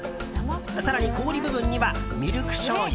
更に、氷部分にはミルクしょうゆ。